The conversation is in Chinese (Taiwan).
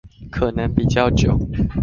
可能比較久